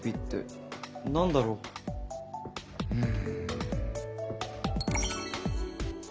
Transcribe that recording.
うん。